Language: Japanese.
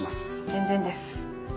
全然です。